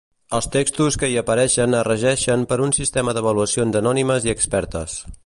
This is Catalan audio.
Els textos que hi apareixen es regeixen per un sistema d'avaluacions anònimes i expertes.